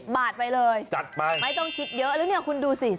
บาทไปเลยจัดไปไม่ต้องคิดเยอะแล้วเนี่ยคุณดูสิ